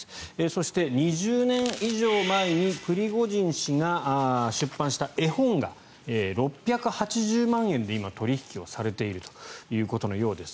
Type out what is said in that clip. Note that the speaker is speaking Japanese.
そして、２０年以上前にプリゴジン氏が出版した絵本が６８０万円で今、取引されているということのようです。